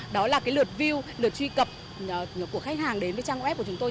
đó là cái lượt view lượt truy cập của khách hàng đến với trang web của chúng tôi